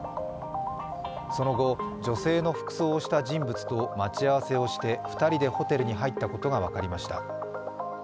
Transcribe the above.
その後、女性の服装をした人物と待ち合わせをして２人でホテルに入ったことが分かりました。